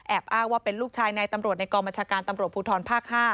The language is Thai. อ้างว่าเป็นลูกชายในตำรวจในกองบัญชาการตำรวจภูทรภาค๕